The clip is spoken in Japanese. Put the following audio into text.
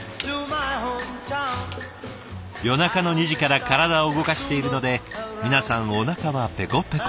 夜中の２時から体を動かしているので皆さんおなかはぺこぺこ。